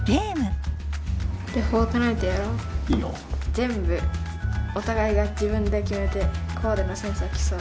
全部お互いが自分で決めてコーデのセンスを競う。